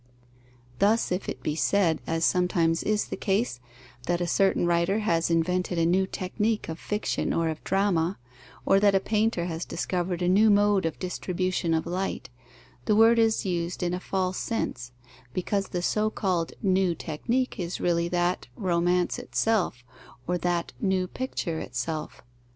Thus if it be said, as sometimes is the case, that a certain writer has invented a new technique of fiction or of drama, or that a painter has discovered a new mode of distribution of light, the word is used in a false sense; because the so called new technique is really that romance itself, or that new picture itself.